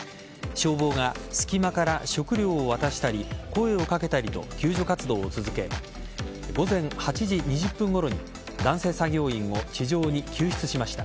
消防が隙間から食料を渡したり声をかけたりと救助活動を続け午前８時２０分ごろに男性作業員を地上に救出しました。